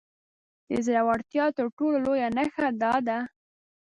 د زورورتيا تر ټولو لويه نښه دا ده.